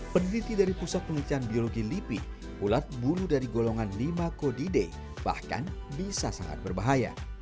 peneliti dari pusat penelitian biologi lipi ulat bulu dari golongan lima kodide bahkan bisa sangat berbahaya